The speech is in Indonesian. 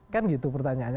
kan gitu pertanyaannya